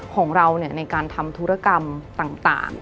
ของเราในการทำธุรกรรมต่าง